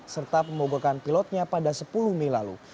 serta pemobokan pilotnya pada sepuluh mei lalu